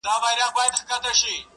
تاسو په درد مه كوئ _